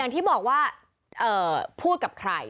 อย่างที่บอกว่าพูดกับใคร